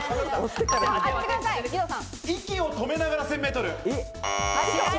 息を止めながら１０００ｍ。